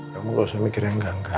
kamu gak usah mikir yang enggak enggak